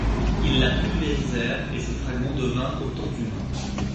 Ils la pulvérisèrent et ses fragments devinrent autant d’humains.